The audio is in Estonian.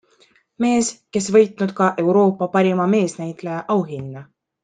Mees, kes võitnud ka Euroopa parima meesnäitleja auhinna.